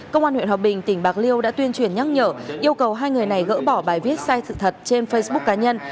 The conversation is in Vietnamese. công an huyện hòa bình tỉnh bạc liêu đã tuyên truyền nhắc nhở yêu cầu hai người này gỡ bỏ bài viết sai sự thật trên facebook cá nhân